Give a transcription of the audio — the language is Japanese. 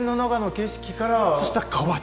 そしたら変わっちゃう。